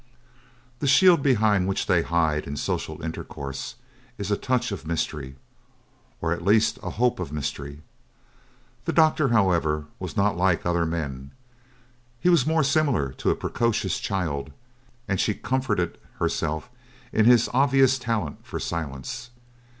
The shield behind which they hide in social intercourse is a touch of mystery or at least a hope of mystery. The doctor, however, was not like other men; he was more similar to a precocious child and she comforted herself in his obvious talent for silence.